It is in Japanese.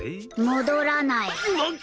戻らない。